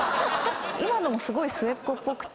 今のも末っ子っぽくて。